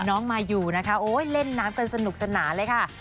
น้องมายูนะคะโอ๊ยเล่นน้ำกันสนุกสนานเลยค่ะ